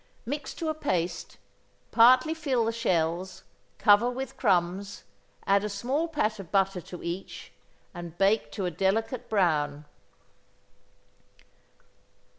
Mix to a paste. Partly fill the shells, cover with crumbs, add a small pat of butter to each, and bake to a delicate brown.